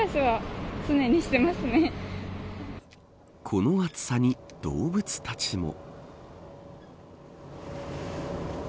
この暑さに動物たちも。